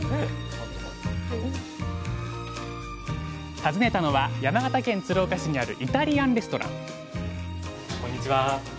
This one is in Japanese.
訪ねたのは山形県鶴岡市にあるイタリアン・レストランこんにちは。